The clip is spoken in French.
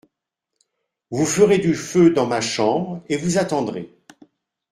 Vous ferez du feu dans ma chambre et vous attendrez.